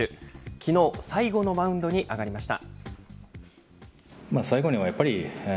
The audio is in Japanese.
きのう、最後のマウンドに上がりました。